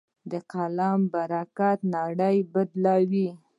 د قلم حرکت نړۍ بدلوي.